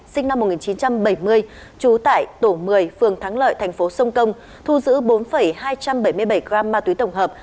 sinh năm một nghìn chín trăm bảy mươi trú tại tổ một mươi phường thắng lợi thành phố sông công thu giữ bốn hai trăm bảy mươi bảy gram ma túy tổng hợp